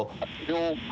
「了解。